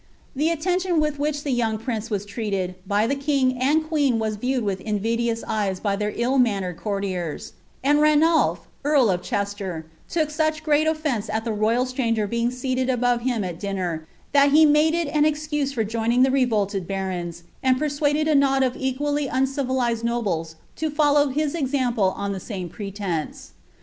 The aiieniion with which the young prince was irraied by tba king and queen was viewed with invidious eyes by their ill mannertd courtiers; and Ranulph, earl of Chester, took such great oQence at tk* myal stranger being seated above him at dinner, that he made it an ei> cusc for joining the revolted barons, and persuaded a knot of equally uucivdized nobles to follow his example on the same pretence.'